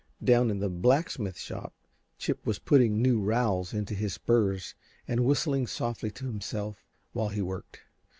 Down in the blacksmith shop Chip was putting new rowels into his spurs and whistling softly to himself while he worked.